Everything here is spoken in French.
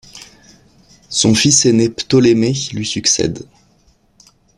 Son fils aîné Ptolémée lui succède.